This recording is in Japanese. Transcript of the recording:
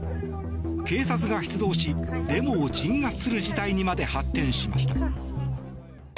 警察が出動しデモを鎮圧する事態にまで発展しました。